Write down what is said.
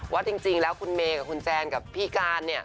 ว่าจริงแล้วคุณเมย์กับคุณแจนกับพี่การเนี่ย